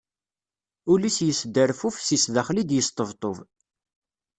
Ul-is yesderduf si sdaxel i d-yesṭebṭub.